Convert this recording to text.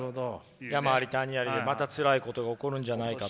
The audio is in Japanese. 山あり谷ありでまたつらいことが起こるんじゃないかと。